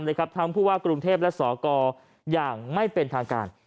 ทั้งผู้ว่ากรุงเทพและสกอย่างไม่เป็นทางการ